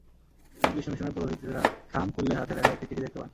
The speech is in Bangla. রামকৃষ্ণ মিশনের পুরোহিতেরা খাম খুলে হাতে লেখা একটি চিঠি দেখতে পান।